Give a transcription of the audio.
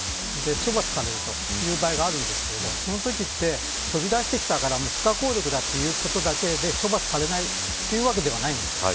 処罰されるという場合があるんですがそのときって飛び出してきたからって不可抗力だということで処罰されないわけではないんです。